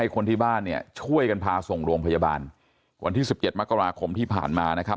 คนที่บ้านเนี่ยช่วยกันพาส่งโรงพยาบาลวันที่๑๗มกราคมที่ผ่านมานะครับ